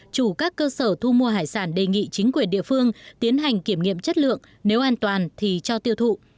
chủ các cơ sở thu mua hải sản đề nghị chính quyền địa phương tiến hành kiểm nghiệm chất lượng nếu an toàn thì cho tiêu thụ